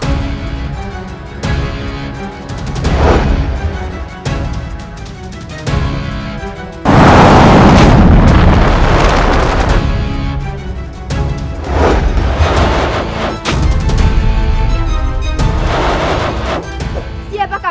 seperti ada yang mengikutiku